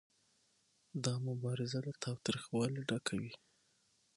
دا مبارزه له تاوتریخوالي ډکه وي